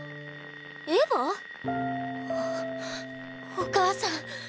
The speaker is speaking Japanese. お母さん！